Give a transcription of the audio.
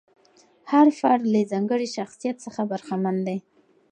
هر فرد له ځانګړي شخصیت څخه برخمن دی.